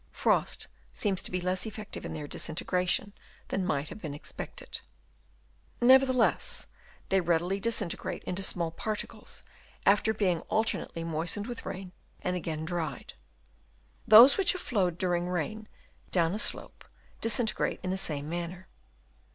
Frost seems to be less effective in their disintegration than might have been expected. Nevertheless they readily disin tegrate into small pellets, after being alter nately moistened with rain and again dried. Those which have flowed during rain down a slope, disintegrate in the same manner.